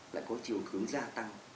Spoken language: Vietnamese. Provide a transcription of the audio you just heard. lại có chiều hướng gia tăng